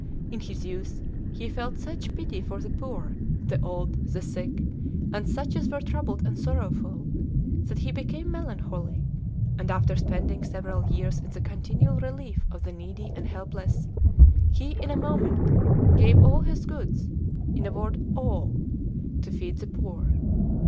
In his youth he felt such pity for the poor, the old, the sick, and such as were troubled and sorrowful, that he became melancholy, and after spending several years in the continual relief of the needy and helpless, he, in a moment, gave all his goods, in a word, ALL, 'to feed the poor.'